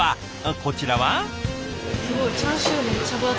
こちらは？